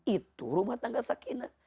itu rumah tangga sakina